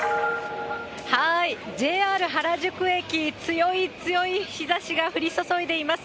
はーい、ＪＲ原宿駅、強い強い日ざしが降り注いでいます。